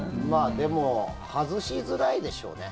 でも外しづらいでしょうね。